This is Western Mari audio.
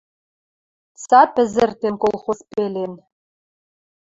Цат пӹзӹртен колхоз пелен